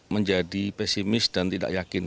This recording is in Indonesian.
menjadi pesimis dan tidak yakin